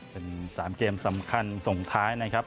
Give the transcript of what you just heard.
เป็น๓เกมสำคัญส่งท้ายนะครับ